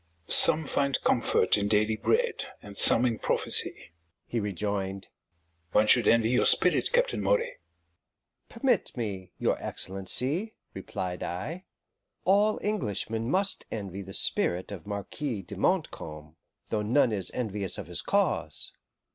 "Some find comfort in daily bread, and some in prophecy," he rejoined. "One should envy your spirit, Captain Moray." "Permit me, your Excellency," replied I; "all Englishmen must envy the spirit of the Marquis de Montcalm, though none is envious of his cause."